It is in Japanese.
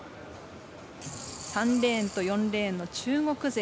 ３レーンと４レーンの中国勢。